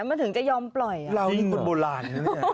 มันถึงจะยอมปล่อย